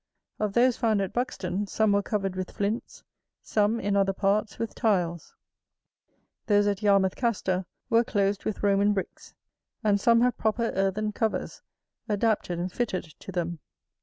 Of those found at Buxton, some were covered with flints, some, in other parts, with tiles; those at Yarmouth Caster were closed with Roman bricks, and some have proper earthen covers adapted and fitted to them.